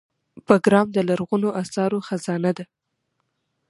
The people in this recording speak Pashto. بګرام د لرغونو اثارو خزانه وه